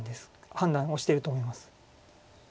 判断をしてると思います。